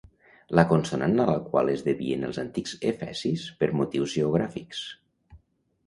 La consonant a la qual es devien els antics efesis per motius geogràfics.